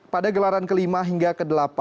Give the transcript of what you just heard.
pada gelaran ke lima hingga ke delapan